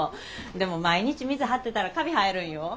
でも毎日水張ってたらカビ生えるんよ。